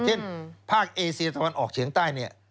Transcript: เช่นภาคเอเซียธรรมันออกเฉียงใต้